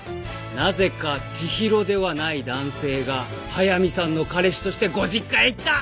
なぜか知博ではない男性が速見さんの彼氏としてご実家へ行った！